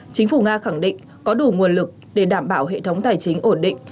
chính phủ nga khẳng định có đủ nguồn lực để đảm bảo hệ thống tài chính ổn định